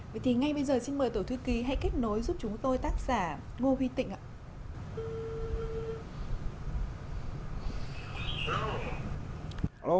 vậy thì ngay bây giờ xin mời tổ thư ký hãy kết nối giúp chúng tôi tác giả ngô huy tịnh ạ